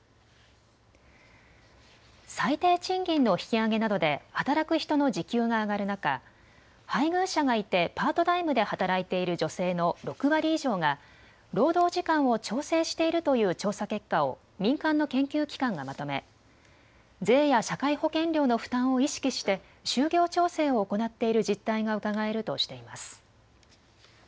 最低賃金の引き上げなどで働く人の時給が上がる中、配偶者がいてパートタイムで働いている女性の６割以上が労働時間を調整しているという調査結果を民間の研究機関がまとめ、税や社会保険料の負担を意識して就業調整を行っている実態がうかがえるとしています。